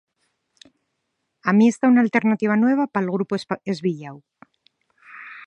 Amiesta una alternativa nueva pal grupu esbilláu.